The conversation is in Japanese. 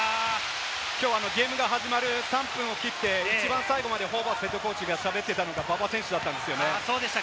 きょうゲームが始まる３分を切って、一番最後までホーバスＨＣが喋っていたのが馬場選手でした。